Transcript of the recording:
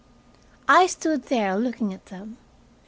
I stood there looking at them.